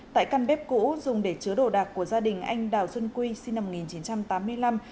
tại căn bếp cũ dùng để chứa đồ đạc của gia đình anh đào xuân quy sinh năm một nghìn chín trăm tám mươi năm